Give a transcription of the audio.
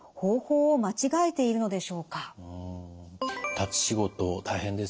立ち仕事大変ですよね。